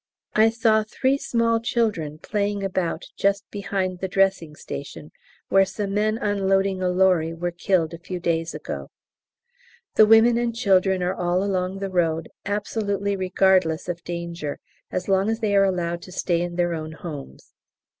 I saw three small children playing about just behind the dressing station, where some men unloading a lorry were killed a few days ago. The women and children are all along the road, absolutely regardless of danger as long as they are allowed to stay in their own homes.